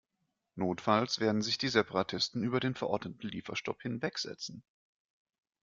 Notfalls werden sich die Separatisten über den verordneten Lieferstopp hinwegsetzen.